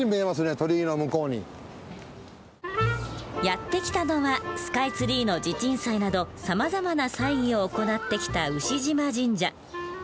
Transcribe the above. やって来たのはスカイツリーの地鎮祭などさまざまな祭儀を行ってきた牛嶋神社。